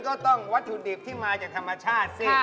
วัตถุดิบที่มาจากธรรมชาติสิ